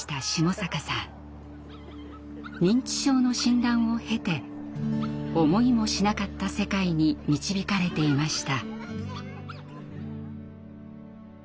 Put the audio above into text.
認知症の診断を経て思いもしなかった世界に導かれていました。